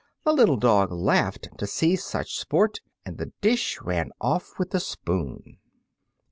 The little dog laughed To see such sport, And the dish ran away with the spoon!